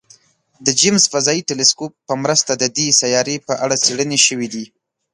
د جیمز فضايي ټیلسکوپ په مرسته د دې سیارې په اړه څېړنې شوي دي.